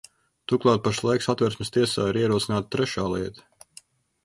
Turklāt pašlaik Satversmes tiesā ir ierosināta trešā lieta.